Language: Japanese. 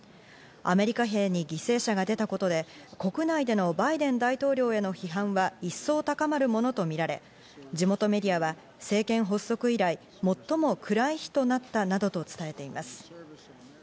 アメリカ兵に犠牲者が出たことで、国内でのバイデン大統領への批判が一層高まるものとみられ、地元メディアは政権発足以来、最も暗い日となったなどと伝えています。